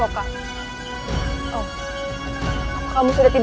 pantas saja kau murid terbaik disini